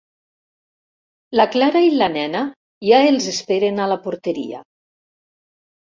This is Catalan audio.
La Clara i la nena ja els esperen a la porteria.